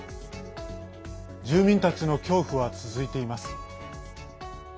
住民たちの恐怖は続いています。